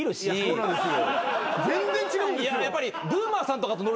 そうなんですよ。